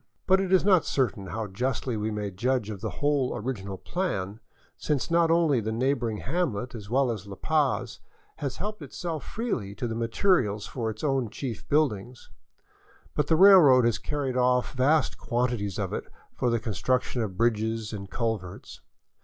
But it is not cer tain how justly we may judge of the whole original plan, since not only the neighboring hamlet, as well as La Paz, has helped itself freely to the materials for its own chief buildings, but the railroad has carried off vast quantities of it for the construction of bridges and culverts.